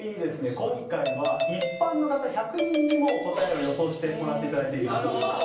今回は一般の方１００人にも答えを予想してもらっていただいています。